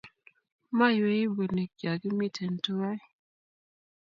Maywei bunik yogimiten tuwai